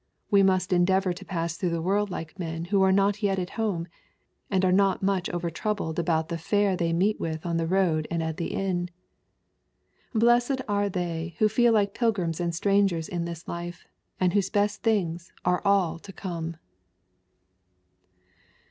We must en deavor to pass through the world like men who are not yet at home, and are not overmuch troubled about the fare they meet with on the road and at the inn. Blessed are they who feel like pilgrims and strangers in this life, and whose best things are all to come